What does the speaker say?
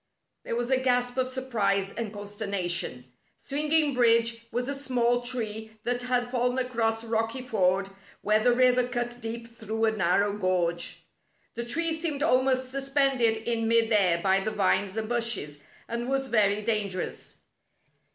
There was a gasp of surprise and consterna tion. Swinging Bridge was a small tree that had fallen across Rocky Ford where the river cut deep through a narrow gorge. The tree seemed almost suspended in mid air by the vines and bushes, and was very dangerous.